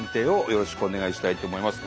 よろしくお願いします。